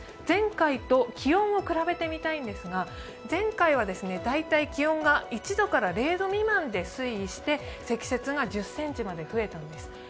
前回と気温を比べてみたいんですが前回は大体気温が１度から０度未満で推移して積雪が１０ｃｍまで増えているんです。